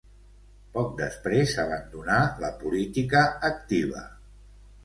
Poc després abandonà la política activa.